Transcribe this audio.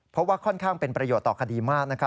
เพราะว่าค่อนข้างเป็นประโยชน์ต่อคดีมาก